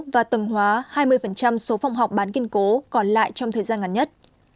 và tầng hóa hai mươi số phòng học bán kiên cố còn lại trong thời gian ngắn nhất